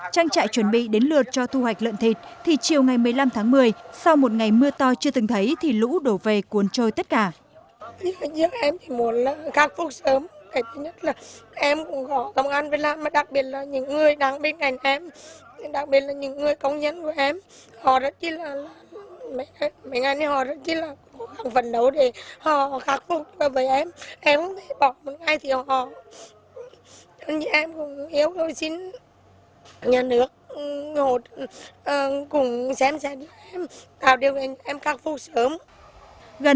trang trại chuẩn bị đến lượt cho thu hoạch lợn thịt thì chiều ngày một mươi năm tháng một mươi sau một ngày mưa to chưa từng thấy thì lũ đổ về cuốn trôi tất cả